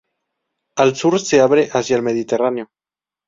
Al sur se abre hacia el Mediterráneo.